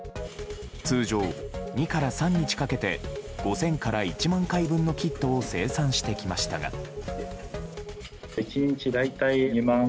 通常、２から３日かけて５０００から１万回分のキットを生産してきましたが。